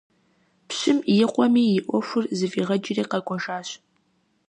Пщым и къуэми и Ӏуэхур зыфӀигъэкӀри къэкӀуэжащ.